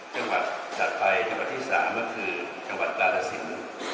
จังหวัดถัดไปจังหวัดที่๓ก็คือจังหวัดกาลสิน